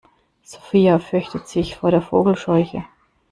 Sophia fürchtet sich vor der Vogelscheuche.